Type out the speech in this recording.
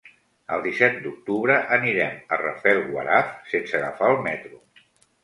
El disset d'octubre anirem a Rafelguaraf sense agafar el metro.